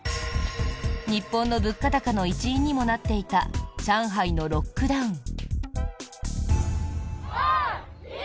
日本の物価高の一因にもなっていた上海のロックダウン。